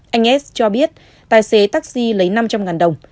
anh es cho biết tài xế taxi lấy năm trăm linh đồng